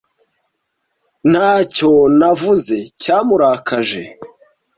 Ntacyo navuze, cyamurakaje.